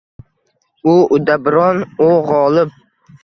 U uddaburon, u g‘olib!